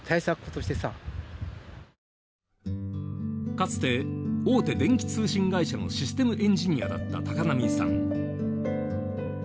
かつて大手電気通信会社のシステムエンジニアだった高波さん。